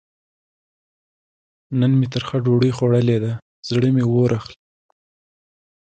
نن مې ترخه ډوډۍ خوړلې ده؛ زړه مې اور اخلي.